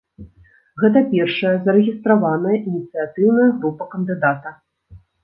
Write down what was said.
Гэта першая зарэгістраваная ініцыятыўная група кандыдата.